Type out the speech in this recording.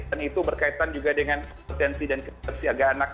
dan itu berkaitan juga dengan potensi dan kesiapsiagaan anak